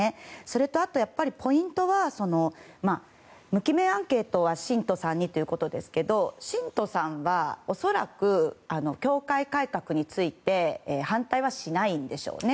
それと、ポイントは無記名アンケートは信徒さんにということですが信徒さんは恐らく教会改革について反対はしないんでしょうね。